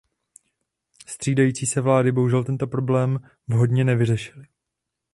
Střídající se vlády bohužel tento problém vhodně nevyřešily.